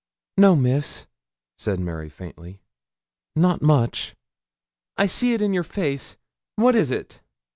'No, Miss,' said Mary, faintly, 'not much.' 'I see it in your face. What is it?'